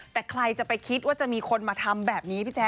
แต่ใครจะไปคิดว่าจะมีคนมาทำแบบนี้พี่แจ๊